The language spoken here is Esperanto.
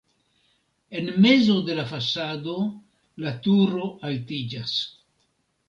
En mezo de la fasado la turo altiĝas.